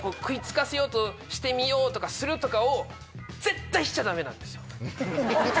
食い付かせようとしてみようとかするとかを絶対しちゃダメなんですよ。